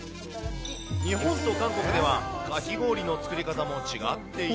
日本と韓国では、かき氷の作り方も違っていて。